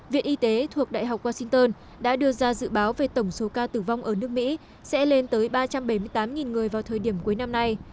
viện y tế thuộc đại học washington đã đưa ra dự báo về tổng số ca tử vong ở nước mỹ sẽ lên tới ba trăm bảy mươi tám người vào thời điểm cuối năm nay